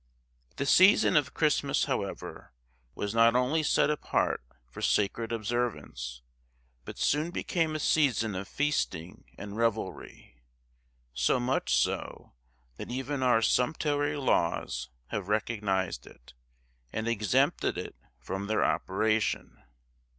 The season of Christmas, however, was not only set apart for sacred observance, but soon became a season of feasting and revelry; so much so, that even our sumptuary laws have recognised it, and exempted it from their operation.